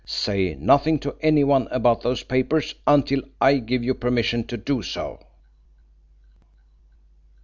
Say nothing to anyone about those papers until I give you permission to do so."